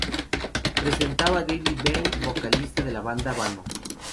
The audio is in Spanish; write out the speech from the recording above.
Presentaba Davy Vain vocalista de la banda vano.